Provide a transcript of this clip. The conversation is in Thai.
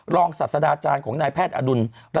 ศาสดาจารย์ของนายแพทย์อดุล